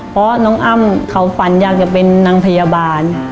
เพราะน้องอ้ำเขาฝันอยากจะเป็นนางพยาบาล